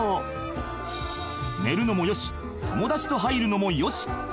［寝るのもよし友達と入るのもよし］